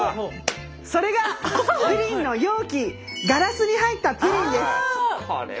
それがプリンの容器ガラスに入ったプリンです。